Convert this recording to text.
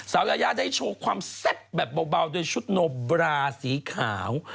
ยายาได้โชว์ความแซ่บแบบเบาโดยชุดโนบราสีขาว